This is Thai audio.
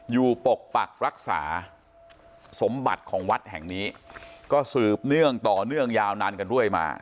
ปกปักรักษาสมบัติของวัดแห่งนี้ก็สืบเนื่องต่อเนื่องยาวนานกันเรื่อยมา